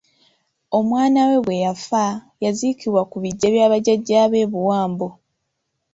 Omwana we bwe yafa yaziikibwa ku biggya bya bajjajaabe e Buwambo.